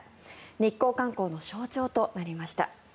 日光観光の象徴となりました。